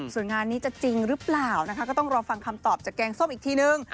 ส่วนงานนี้จะจริงหรือเปล่านะคะก็ต้องรอฟังคำตอบจากแกงส้มอีกทีนึง